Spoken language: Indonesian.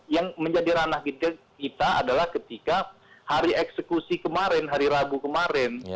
yang menjadi ranah kita adalah ketika hari eksekusi kemarin hari rabu kemarin